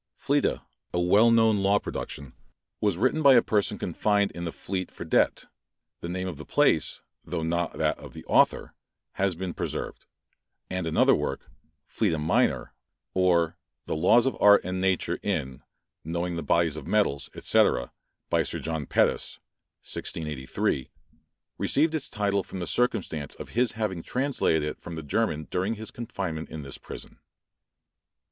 Fleta, a well known law production, was written by a person confined in the Fleet for debt; the name of the place, though not that of the author, has thus been preserved; and another work, "Fleta Minor, or the Laws of Art and Nature in, knowing the bodies of Metals, &c. by Sir John Pettus, 1683;" received its title from the circumstance of his having translated it from the German during his confinement in this prison.